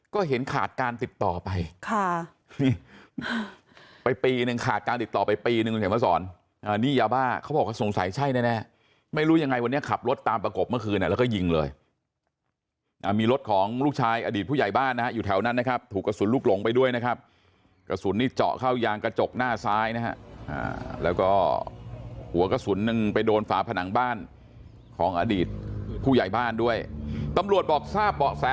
ก็เห็นขาดการติดต่อไปค่ะไปปีนึงขาดการติดต่อไปปีนึงเห็นไหมสอนอ่านี่ยาบ้าเขาบอกก็สงสัยใช่แน่ไม่รู้ยังไงวันเนี้ยขับรถตามประกบเมื่อคืนแล้วก็ยิงเลยอ่ามีรถของลูกชายอดีตผู้ใหญ่บ้านนะฮะอยู่แถวนั้นนะครับถูกกระสุนลูกหลงไปด้วยนะครับกระสุนนี่เจาะเข้ายางกระจกหน้าซ้ายนะฮะอ่าแล้วก็หัวกระส